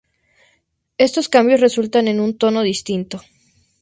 Estos cambios resultan en un tono distinto.